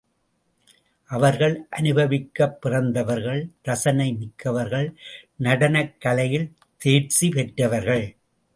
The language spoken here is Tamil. அவர்கள் அனுபவிக்கப் பிறந்தவர்கள் ரசனை மிக்கவர்கள் நடனக் கலையில் தேர்ச்சி பெற்றவர்கள்.